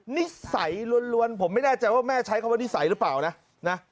นิสัยล้วนผมไม่แน่ใจว่าแม่ใช้คำว่านิสัยหรือเปล่านะ